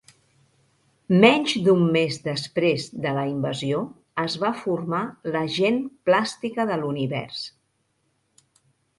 Menys d'un mes després de la invasió, es va formar la Gent Plàstica de l'Univers.